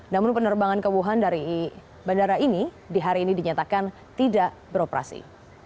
namun penerbangan ke wuhan dari bandara ini di hari ini dinyatakan tidak beroperasi